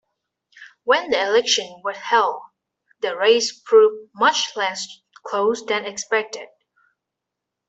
When the election was held, the race proved much less close than expected.